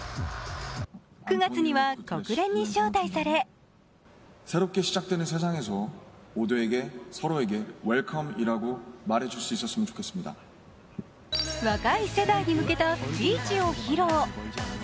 ９月には国連に招待され若い世代に向けたスピーチを披露。